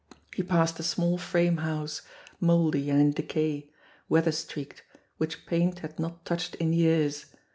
He passed a small frame house, mouldy and in decay, weather streaked, which paint had not touched in years.